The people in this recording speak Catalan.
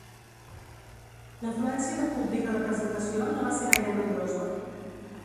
L'afluència de públic a la presentació no va ser gaire nombrosa.